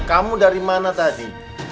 kamu dari mana tadi